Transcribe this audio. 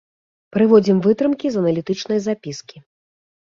Прыводзім вытрымкі з аналітычнай запіскі.